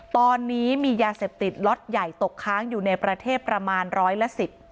ตอนนี้มียาเสพติดล็อตใหญ่ตกค้างอยู่ในประเทศประมาณร้อยละสิบ